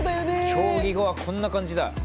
競技後はこんな感じだ。